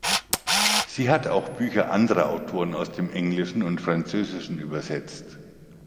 Sie hat auch Bücher anderer Autoren aus dem Englischen und Französischen übersetzt.